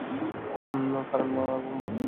কারণ মা এবং বাবাকে কাঁদবে।